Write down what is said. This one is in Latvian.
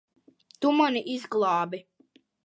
Tu mani izglābi.